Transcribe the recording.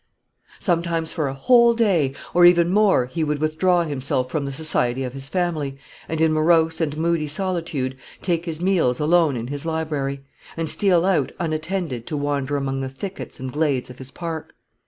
Sometimes for a whole day, or even more, he would withdraw himself from the society of his family, and, in morose and moody solitude, take his meals alone in his library, and steal out unattended to wander among the thickets and glades of his park.